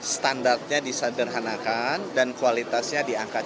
standarnya disederhanakan dan kualitasnya diangkat